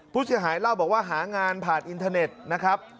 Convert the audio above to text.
ผู้เสียหายเล่าบอกว่าหางานผ่านอินเทอร์เน็ตนะครับ